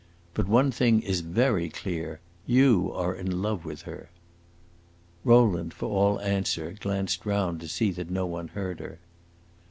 But one thing is very clear: you are in love with her." Rowland, for all answer, glanced round to see that no one heard her.